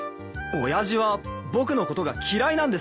親父は僕のことが嫌いなんですよ。